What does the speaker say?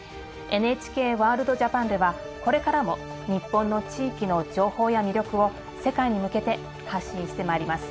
「ＮＨＫワールドＪＡＰＡＮ」ではこれからも日本の地域の情報や魅力を世界に向けて発信してまいります。